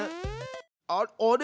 あっあれ？